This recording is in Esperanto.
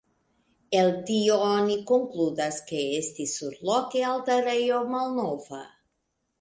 El tio oni konkludas ke estis surloke altarejo malnova.